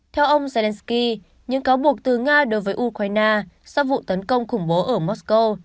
theo ông zelensky những cáo buộc từ nga đối với ukraine sau vụ tấn công khủng bố ở mosco